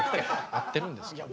合ってるんですか？